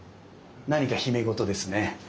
何か秘め事ですね。